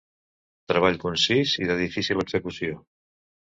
Treball concís i de difícil execució.